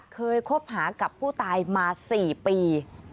คบหากับผู้ตายมา๔ปี